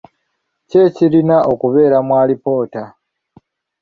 Ki ekirina okubeera mu alipoota?